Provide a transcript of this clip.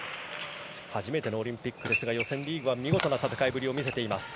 初めてのオリンピックですが予選リーグは見事な戦いぶりを見せています。